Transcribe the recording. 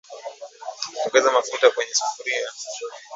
Ongeza mafuta kwenye sufuria